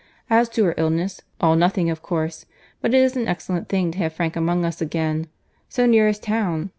As to her illness, all nothing of course. But it is an excellent thing to have Frank among us again, so near as town.